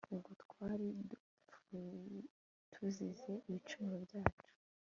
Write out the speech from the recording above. ubwo twaridupfuye tuzize ibicumuro byacu